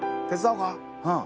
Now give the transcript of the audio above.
「手伝おうか？」